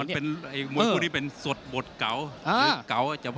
มันจะเป็นสวดบดเก่า